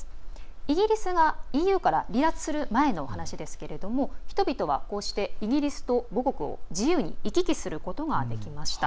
イギリスは、ＥＵから離脱する前の話ですけども人々はこうしてイギリスと母国を自由に行き来することができました。